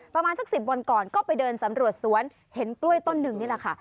ประมาณสัก๑๐วันก่อนก็ไปเดินสำรวจสวนเห็นกล้วยต้นหนึ่งนี่แหละค่ะ